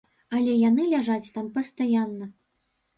Але яны ляжаць там пастаянна.